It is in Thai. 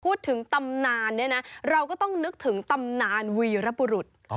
ตำนานเนี่ยนะเราก็ต้องนึกถึงตำนานวีรบุรุษ